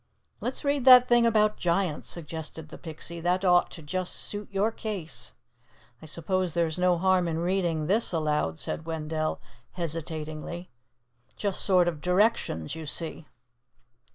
"Let's read that thing about giants," suggested the Pixie. "That ought to just suit your case." "I suppose there's no harm in reading this aloud," said Wendell, hesitatingly. "Just sort of directions, you see."